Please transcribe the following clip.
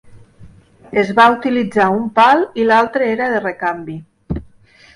Es va utilitzar un pal i l'altre era de recanvi.